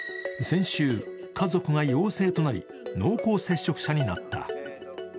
先週、家族が陽性となり濃厚接触者となった。